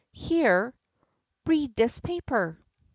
Here, read this paper."